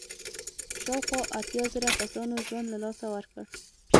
شاوخوا اتیا زره کسانو ژوند له لاسه ورکړ.